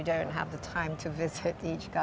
dengan cara kami menjaga